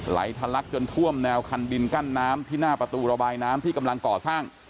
ทะลักจนท่วมแนวคันดินกั้นน้ำที่หน้าประตูระบายน้ำที่กำลังก่อสร้าง